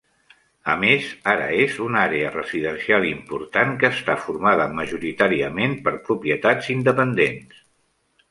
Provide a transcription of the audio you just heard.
A més, ara és una àrea residencial important que està formada majoritàriament per propietats independents.